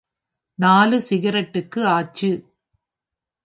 நாலு சிகரெட்டுக்கு ஆச்சு.